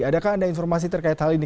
adakah anda informasi terkait hal ini